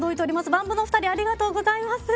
ＢＡＭ部のお二人ありがとうございます。